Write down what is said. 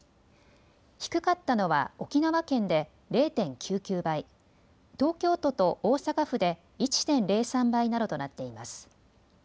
低かったのは沖縄県で０．９９倍、東京都と大阪府で１．０３倍などとなっています。